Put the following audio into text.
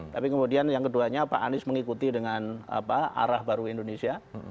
tapi kemudian yang keduanya pak anies mengikuti dengan arah baru indonesia